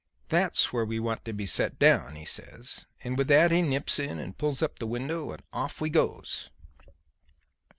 That's where we want to be set down,' he says, and with that he nips in and pulls up the windows and off we goes.